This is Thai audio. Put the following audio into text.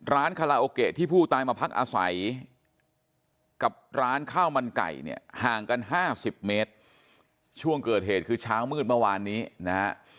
คาราโอเกะที่ผู้ตายมาพักอาศัยกับร้านข้าวมันไก่เนี่ยห่างกัน๕๐เมตรช่วงเกิดเหตุคือเช้ามืดเมื่อวานนี้นะฮะ